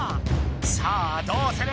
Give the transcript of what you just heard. さあどうする？